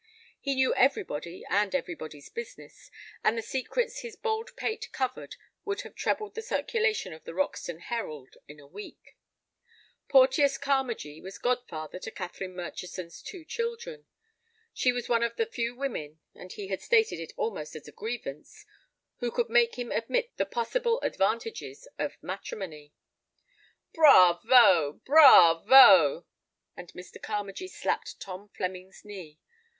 He knew everybody and everybody's business, and the secrets his bald pate covered would have trebled the circulation of the Roxton Herald in a week. Porteous Carmagee was godfather to Catherine Murchison's two children. She was one of the few women, and he had stated it almost as a grievance, who could make him admit the possible advantages of matrimony. "Bravo, bravo"—and Mr. Carmagee slapped Tom Flemming's knee.